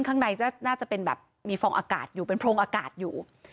ข้างในน่าจะเป็นแบบมีฟองอากาศอยู่เป็นโพรงอากาศอยู่